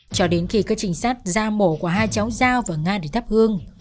cho đến khi cơ trình sát ra mổ của hai cháu giao và nga để thắp hương